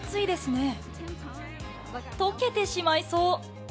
溶けてしまいそう。